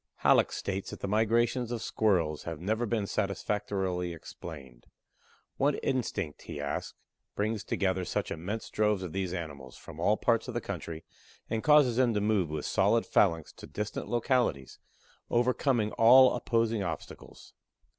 Hallock states that the migrations of Squirrels have never been satisfactorily explained. What instinct, he asks, brings together such immense droves of these animals from all parts of the country and causes them to move with solid phalanx to distant localities, overcoming all opposing obstacles?